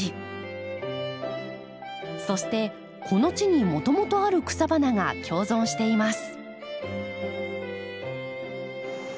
そしてこの地にもともとある草花が共存しています。